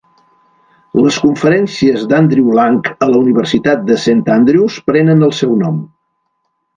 Les conferències d'Andrew Lang a la Universitat de Saint Andrews prenen el seu nom.